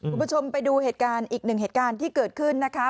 คุณผู้ชมไปดูเหตุการณ์อีกหนึ่งเหตุการณ์ที่เกิดขึ้นนะคะ